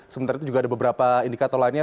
sementara itu juga ada beberapa indikator lainnya